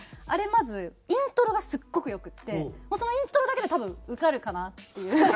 まずイントロがすっごく良くてもうそのイントロだけで多分受かるかなっていう。